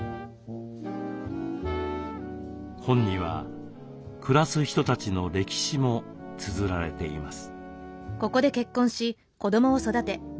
本には暮らす人たちの歴史もつづられています。